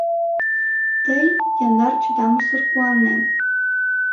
Тый — яндар чытамсыр куанем.